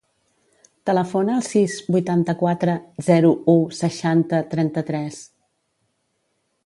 Telefona al sis, vuitanta-quatre, zero, u, seixanta, trenta-tres.